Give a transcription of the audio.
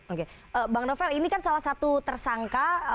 oke bang novel ini kan salah satu tersangka